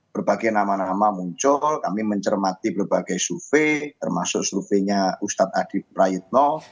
berbagai nama nama muncul kami mencermati berbagai suvee termasuk suveenya ustadz adib rayyitno